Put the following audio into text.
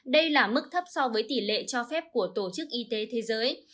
đây là mức thấp so với tỷ lệ cho phép của tổ chức y tế thế giới